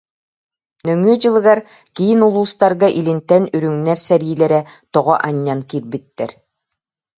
Нөҥүө дьылыгар киин улуустарга илинтэн үрүҥнэр сэриилэрэ тоҕо анньан киирбиттэр